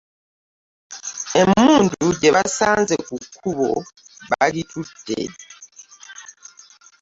Emmundu gye baasanze ku kkubo bagitutte.